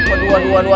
aduh aduh aduh